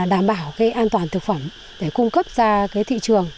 đảm bảo an toàn thực phẩm để cung cấp ra thị trường